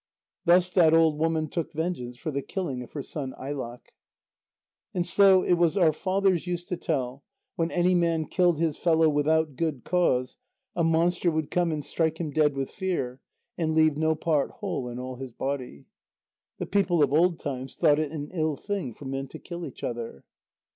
Thus that old woman took vengeance for the killing of her son Ailaq. And so it was our fathers used to tell: when any man killed his fellow without good cause, a monster would come and strike him dead with fear, and leave no part whole in all his body. The people of old times thought it an ill thing for men to kill each other.